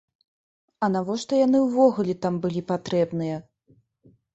А навошта яны ўвогуле там былі патрэбныя?